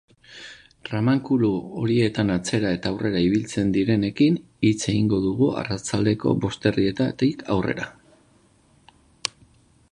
Tramankulu horietan atzera eta aurrera ibilitzen direnekin hitz egingo dugu arratsaldeko bosterdietatik aurrera.